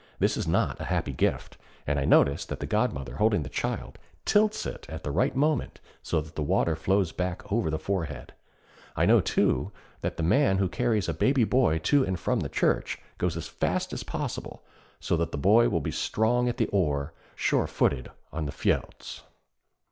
This is not a happy gift, and I notice that the godmother holding the child, tilts it at the right moment so that the water flows back over the forehead. I know, too, that the man who carries a baby boy to and from the church goes as fast as possible, so that the boy will be strong at the oar, sure footed on the fjelds.